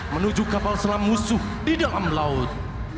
menuju kapal selam musuh di dalam laut